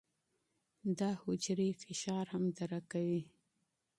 دا حجرې فشار هم درک کوي.